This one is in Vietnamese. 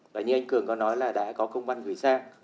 và như anh cường có nói là đã có công văn gửi sang